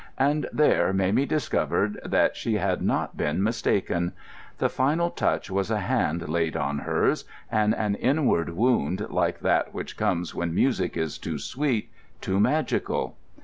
And there Mamie discovered that she had not been mistaken. The final touch was a hand laid on hers, and an inward wound like that which comes when music is too sweet, too magical.